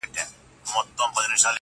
ځيني يې درد بولي ډېر